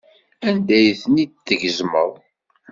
Anda ay ten-id-tgezmeḍ?